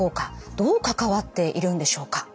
どう関わっているんでしょうか？